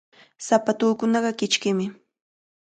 Sapatuukunaqa kichkimi.